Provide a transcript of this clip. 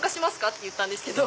って言ったんですけど。